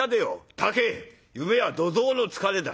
「竹夢は土蔵の疲れだ」。